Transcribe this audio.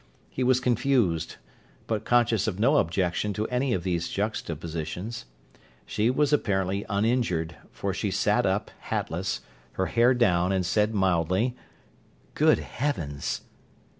He was confused, but conscious of no objection to any of these juxtapositions. She was apparently uninjured, for she sat up, hatless, her hair down, and said mildly: "Good heavens!"